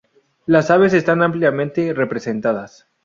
Las aves están ampliamente representadas.